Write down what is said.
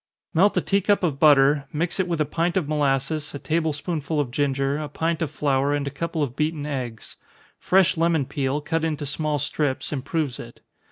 _ Melt a tea cup of butter mix it with a pint of molasses, a table spoonful of ginger, a pint of flour, and a couple of beaten eggs. Fresh lemon peel, cut into small strips, improves it.